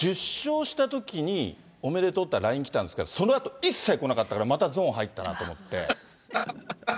１０勝したときに、おめでとうってＬＩＮＥ来たんですけど、そのあと一切こなかったから、またゾーン入ったなと思って。